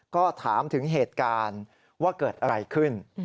ก็ถามถึงเหตุการณ์ว่าเกิดอะไรขึ้น